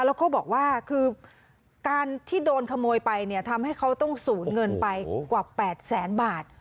แล้วก็บอกว่าคือการที่โดนขโมยไปเนี่ยทำให้เขาต้องสูญเงินไปกว่า๘แสนบาท